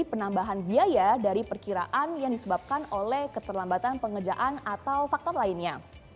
jadi penambahan biaya dari perkiraan yang disebabkan oleh keterlambatan pekerjaan atau faktor lainnya